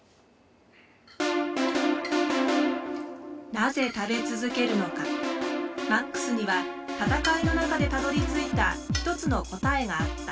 なぜ食べ続けるのかＭＡＸには戦いの中でたどりついた１つの答えがあった。